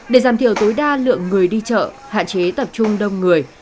để giảm thiểu tối đa lượng người đi chợ hạn chế tập trung đông người